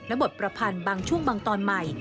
บทประพันธ์บางช่วงบางตอนใหม่